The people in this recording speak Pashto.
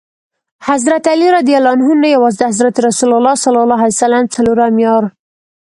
حضرت علي رض نه یوازي د حضرت رسول ص څلورم یار.